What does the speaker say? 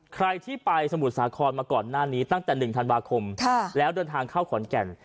ใครที่ไปสมุทรสาครมาก่อนหน้านี้ตั้งแต่๑ธันวาคมแล้วเดินทางเข้าขอนแก่น